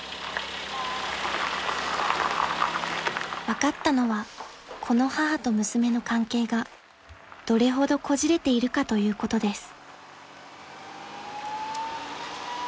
［分かったのはこの母と娘の関係がどれほどこじれているかということです］